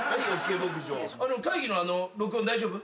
会議の録音大丈夫？